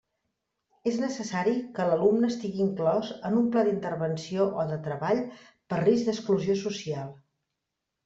És necessari que l'alumne estigui inclòs en un pla d'intervenció o de treball per risc d'exclusió social.